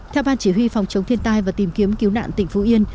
theo ban chỉ huy phòng chống thiên tai và tìm kiếm cứu nạn tỉnh phú yên